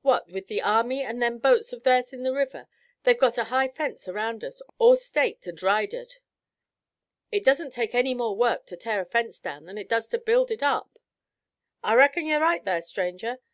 What, with their army and them boats of theirs in the river, they've got a high fence around us, all staked and ridered." "It doesn't take any more work to tear a fence down than it does to build it up." "I reckon you're right thar, stranger.